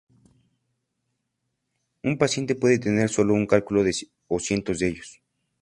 Un paciente puede tener un solo cálculo o cientos de ellos.